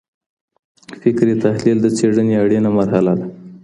فکري تحلیل د څېړنې اړینه مرحله ده.